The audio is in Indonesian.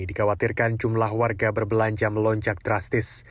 dikhawatirkan jumlah warga berbelanja melonjak drastis